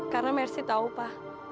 karena mersi tahu pa